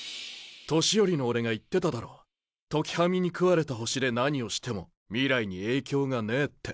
年寄りの俺が言ってただろ時喰みに食われた星で何をしても未来に影響がねえって。